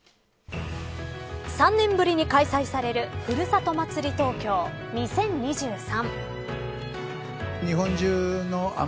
３年ぶりに開催されるふるさと祭り東京２０２３。